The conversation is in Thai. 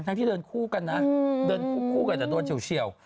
ที่เดินคู่กันนะเดินคู่กันแต่โดนเฉียว